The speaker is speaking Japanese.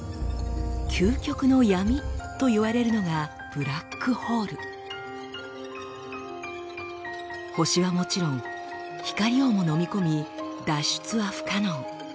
究極の闇といわれるのが星はもちろん光をものみ込み脱出は不可能。